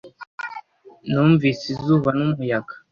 Numvise izuba n'umuyaga.